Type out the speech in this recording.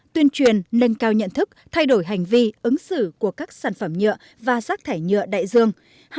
tuyên truyền nâng cao nhận thức thay đổi hành vi ứng xử của các sản phẩm nhựa và rác thải nhựa đại dương